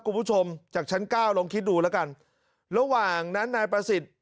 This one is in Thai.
คุณผู้ชมจากชั้นเก้าลองคิดดูแล้วกันระหว่างนั้นนายประสิทธิ์